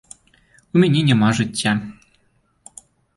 У мяне няма жыцця.